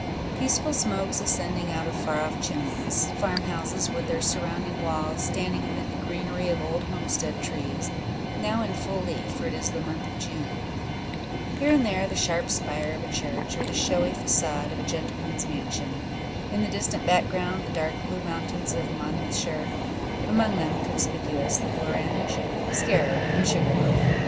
Peaceful smokes ascending out of far off chimneys; farm houses, with their surrounding walls, standing amid the greenery of old homestead trees now in full leaf, for it is the month of June here and there the sharp spire of a church, or the showy facade of a gentleman's mansion in the distant background, the dark blue mountains of Monmouthshire; among them conspicuous the Blorenge, Skerrid, and Sugar Loaf.